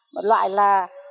một loại là